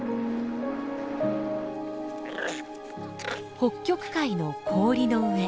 北極海の氷の上。